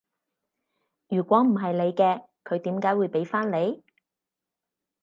如果唔係你嘅，佢點解會畀返你？